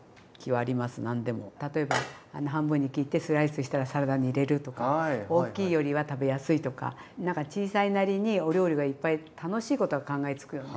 例えば半分に切ってスライスしたらサラダに入れるとか大きいよりは食べやすいとかなんか小さいなりにお料理がいっぱい楽しいことは考えつくよね。